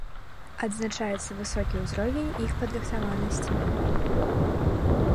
Адзначаецца высокі ўзровень іх падрыхтаванасці.